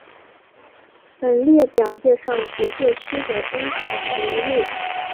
本列表介绍结界师的登场人物。